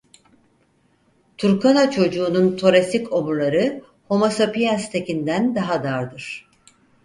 Turkana Çocuğu'nun torasik omurları "Homo sapiens"tekinden daha dardır.